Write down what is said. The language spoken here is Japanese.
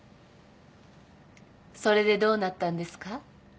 それでどうなったんですか？